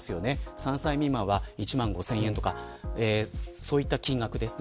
３歳未満は１万５０００円とかそういった金額ですね。